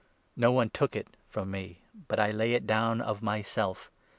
Np one took it from me, but I lay it down of myself.